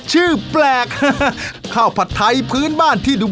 จะได้มีแรงแห่หน้าอะไรประมาณนี้